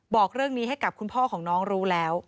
บอกเรื่องนี้ให้กับคุณพ่อของน้องรู้แล้ว